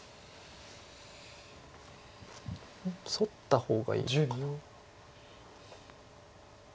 ソッた方がいいのかな。